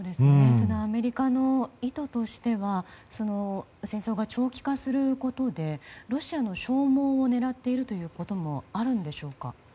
アメリカの意図としては戦争が長期化することでロシアの消耗を狙っているということもあるんでしょうか？